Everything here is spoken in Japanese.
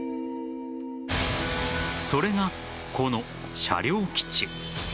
それが、この車両基地。